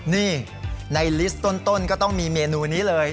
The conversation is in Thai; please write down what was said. นี่ในลิสต์ต้นก็ต้องมีเมนูนี้เลย